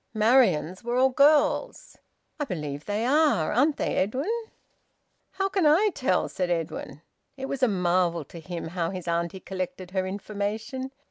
"Marian's were all girls." "I believe they are. Aren't they, Edwin?" "How can I tell?" said Edwin. It was a marvel to him how his auntie collected her information.